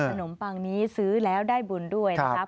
ขนมปังนี้ซื้อแล้วได้บุญด้วยนะครับ